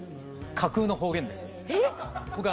架空の方言です。